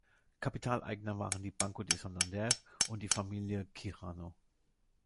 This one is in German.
Kapitaleigner waren die Banco de Santander und die Familie Quijano.